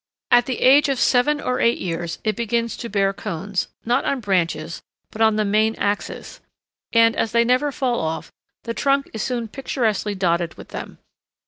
] At the age of seven or eight years it begins to bear cones, not on branches, but on the main axis, and, as they never fall off, the trunk is soon picturesquely dotted with them.